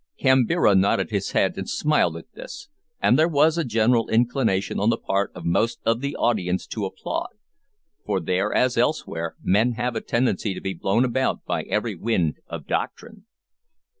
Kambira nodded his head and smiled at this, and there was a general inclination on the part of most of the audience to applaud, for there, as elsewhere, men have a tendency to be blown about by every wind of doctrine.